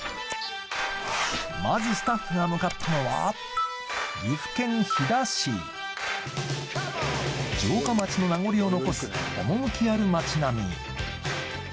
まずスタッフが向かったのは岐阜県飛騨市城下町の名残を残す趣ある町並み